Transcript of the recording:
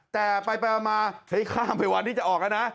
แต่ไปมาเฮ้ยข้ามไปวันที่จะออกนะฮะ